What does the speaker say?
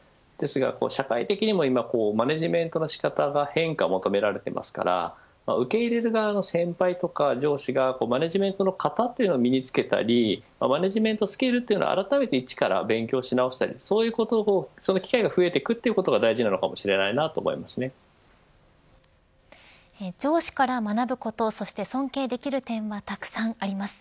社会的にも今、マネジメントの仕方にも変化を求められていますから受け入れる側の先輩とか上司がマネジメントの型というのを身に付けたりマネジメントスキルというのをあらためていちから勉強し直したりそういう機会が増えていくということが上司から学ぶこと、そして尊敬できる点はたくさんあります。